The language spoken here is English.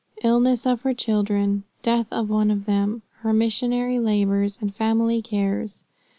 ILLNESS OF HER CHILDREN. DEATH OF ONE OF THEM. HER MISSIONARY LABORS, AND FAMILY CARES.